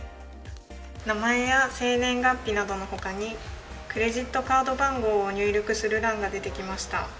名前や生年月日などのほかに、クレジットカード番号を入力する欄が出てきました。